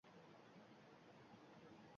U boshqaruv dastagiga ega emas